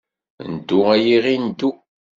Ndu ay iɣi ndu.